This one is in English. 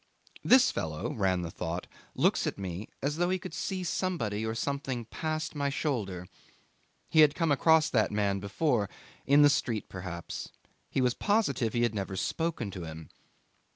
This fellow ran the thought looks at me as though he could see somebody or something past my shoulder. He had come across that man before in the street perhaps. He was positive he had never spoken to him.